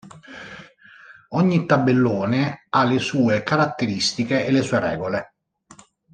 Ogni tabellone ha le sue caratteristiche e le sue regole.